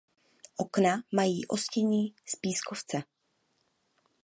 Okna mají ostění z pískovce.